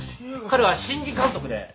彼は新人監督で。